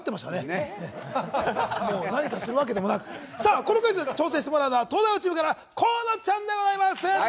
このクイズに挑戦してもらうのは、「東大王」チームから河野ちゃんでございます。